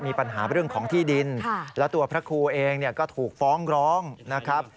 มีปัญหาเรื่องของที่ดินแล้วตัวพระครูเองเนี่ยก็ถูกฟ้องร้องนะครับ